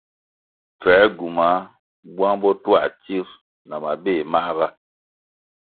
Pfęr gywumah buang botuah tsir na mabéh mahga.